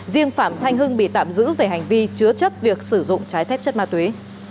riêng phạm thanh hưng bị tạm giữ về hành vi chứa chấp việc sử dụng trái phép chất ma túy